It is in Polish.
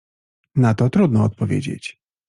— Na to trudno odpowiedzieć.